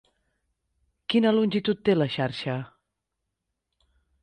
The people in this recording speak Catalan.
Quina longitud té la xarxa?